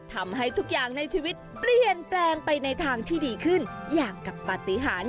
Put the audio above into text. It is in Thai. ทำให้ทุกอย่างในชีวิตเปลี่ยนแปลงไปในทางที่ดีขึ้นอย่างกับปฏิหาร